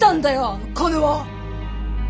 あの金は。